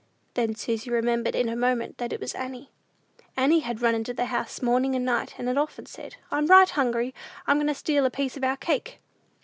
Then Susy remembered in a moment that it was Annie: Annie had run into the house morning and night, and had often said, "I'm right hungry. I'm going to steal a piece of our cake!"